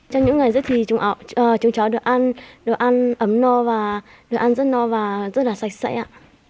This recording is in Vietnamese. trong những ngày dứt thì chúng cháu được ăn ấm no và rất là sạch sẽ ạ